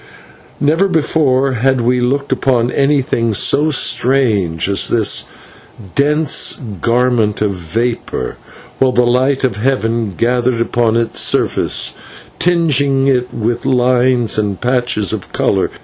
Never before had we looked upon anything so strange as this dense garment of vapour while the light of heaven gathered upon its surface, tingeing it with lines and patches of colour.